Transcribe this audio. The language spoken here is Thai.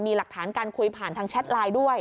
มีหลักฐานการคุยผ่านทางแชทไลน์ด้วย